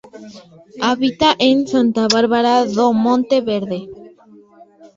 Habita en Santa Bárbara do Monte Verde.